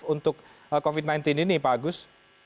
untuk covid sembilan belas ini pak agus